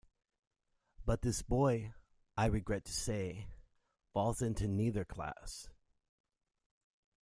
But this boy, I regret to say, falls into neither class.